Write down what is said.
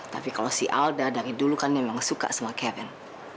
tapi kalau si alda dari dulu kan memang suka sama kevin